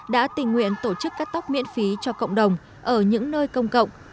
đã tình nguyện tổ chức cắt tóc miễn phí cho cộng đồng ở những nơi công cộng